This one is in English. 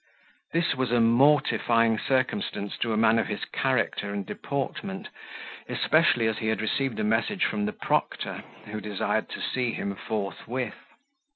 This was a mortifying circumstance to a man of his character and deportment, especially as he had received a message from the proctor, who desired to see him forthwith.